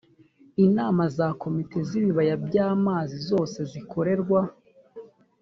inama za komite z ibibaya by amazi zose zikorerwa